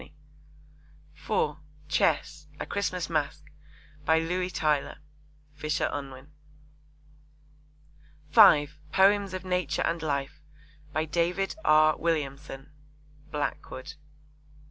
(4) Chess. A Christmas Masque. By Louis Tylor. (Fisher Unwin.) (5) Poems of Nature and Life. By David R. Williamson. (Blackwood.)